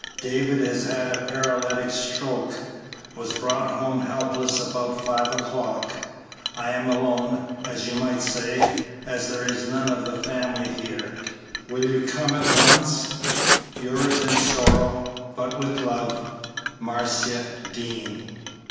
David has had a paralytic stroke; was brought home helpless about five o'clock. I am alone, as you might say, as there is none of the family here. Will you come at once? Yours in sorrow, but with love, MARCIA DEAN."